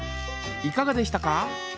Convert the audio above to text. いかがでしたか？